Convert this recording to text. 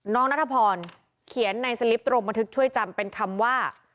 นัทพรเขียนในสลิปตรงบันทึกช่วยจำเป็นคำว่า